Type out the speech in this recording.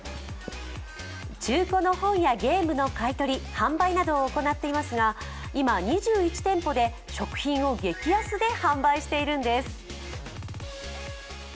中古の本やゲームの買い取り、販売などを行っていますが今、２１店舗で食品を激安で販売しているんです。